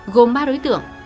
gồm ba đối tượng